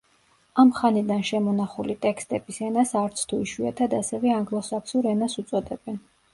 ამ ხანიდან შემონახული ტექსტების ენას არცთუ იშვიათად ასევე ანგლო-საქსურ ენას უწოდებენ.